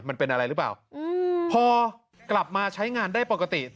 มันเป็นอะไรหรือเปล่าอืมพอกลับมาใช้งานได้ปกติ